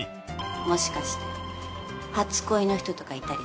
もしかして初恋の人とかいたりして。